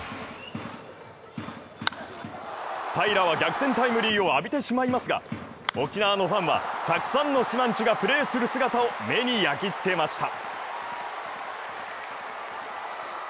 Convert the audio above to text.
平良は逆転タイムリーを浴びてしまいますが、沖縄のファンはたくさんの島人がプレーする姿を目に焼き付けました。